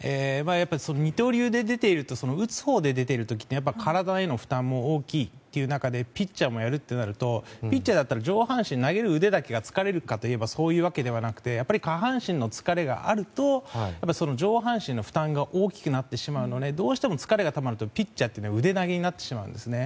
二刀流で出ていると打つほうで出ている時って体への負担が大きいという中でピッチャーもやるとなるとピッチャーだったら上半身の投げる腕だけが疲れるかといえばそういうわけではなくてやっぱり下半身の疲れがあると上半身の負担が大きくなってしまうのでどうしても疲れがたまるとピッチャーっていうのは腕投げになってしまうんですね。